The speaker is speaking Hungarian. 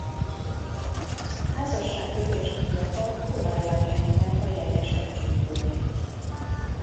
Házasságkötésnél a pap olajjal keni meg a jegyesek csuklóit.